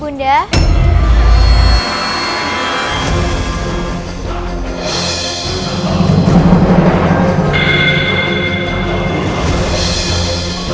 ini dia yang aku cari